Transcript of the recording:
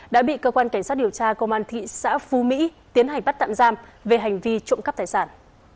đã bị cơ quan cảnh sát điều tra công an thị xã phú mỹ tiến hành bắt tạm giam về hành vi trộm cắp tài sản